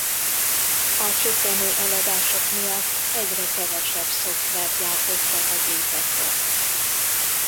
A csökkenő eladások miatt egyre kevesebb szoftvert gyártottak a gépekre.